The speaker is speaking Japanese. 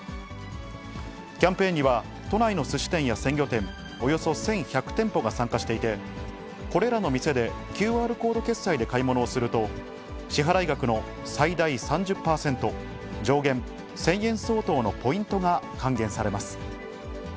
キャンペーンには、都内のすし店や鮮魚店、およそ１１００店舗が参加していて、これらの店でＱＲコード決済で買い物をすると、支払い額の最大３０％、上限１０００円相当のポイントが還元されます。